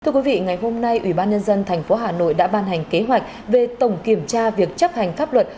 thưa quý vị ngày hôm nay ủy ban nhân dân tp hà nội đã ban hành kế hoạch về tổng kiểm tra việc chấp hành pháp luật